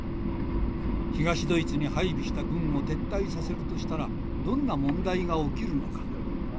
東ドイツに配備した軍を撤退させるとしたらどんな問題が起きるのか。